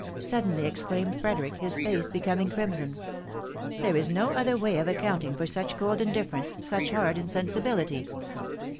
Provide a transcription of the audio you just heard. suddenly exclaimed Frederick, his face becoming crimson " There is no other way of accounting for such cold indifference, such hard insensibility."